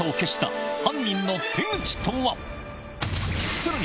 さらに